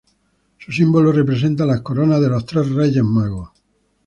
Su símbolo representa las coronas de los tres Reyes Magos.